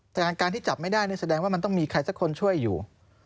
แต่การที่จับไม่ได้นี่แสดงว่ามันต้องมีใครสักคนช่วยอยู่